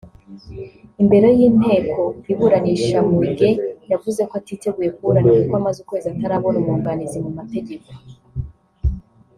Imbere y’inteko iburanisha Muigai yavuze ko atiteguye kuburana kuko amaze ukwezi atarabona umwunganizi mu mategeko